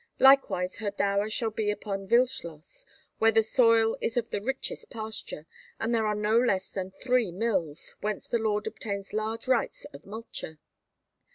Likewise, her dower shall be upon Wildschloss—where the soil is of the richest pasture, and there are no less than three mills, whence the lord obtains large rights of multure.